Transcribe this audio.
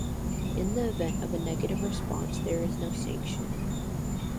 In the event of a negative response, there is no sanction.